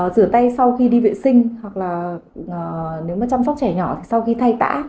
rửa tay sau khi đi vệ sinh hoặc là nếu mà chăm sóc trẻ nhỏ thì sau khi thay tã